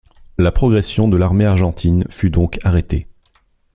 La progression de l'armée argentine fut donc arrêtée.